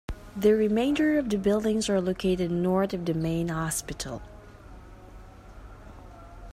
The remainder of the buildings are located north of the main hospital.